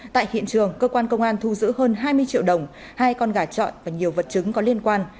tại hiện trường cơ quan công an thu giữ hơn hai mươi triệu đồng hai con gà trọi và nhiều vật chứng có liên quan